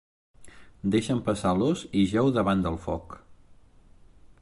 Deixen passar l'os i jeu davant del foc.